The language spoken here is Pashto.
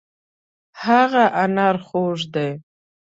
هغه انار خوږ دی.